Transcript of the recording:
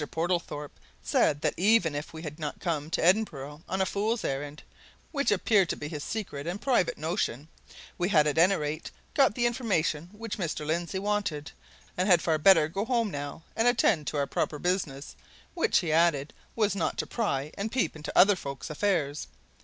Portlethorpe said that even if we had not come to Edinburgh on a fool's errand which appeared to be his secret and private notion we had at any rate got the information which Mr. Lindsey wanted, and had far better go home now and attend to our proper business, which, he added, was not to pry and peep into other folks' affairs.